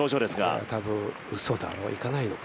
これは多分、うそだろいかないのか？